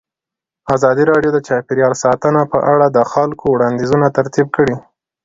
ازادي راډیو د چاپیریال ساتنه په اړه د خلکو وړاندیزونه ترتیب کړي.